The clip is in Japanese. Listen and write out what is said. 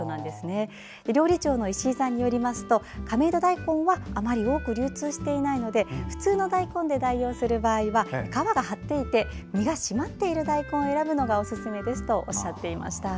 料理長の石井さんによりますと亀戸だいこんはあまり多く流通していないので普通の大根で代用する場合は皮が張っていて身が締まっている大根を選ぶのがおすすめですとおっしゃっていました。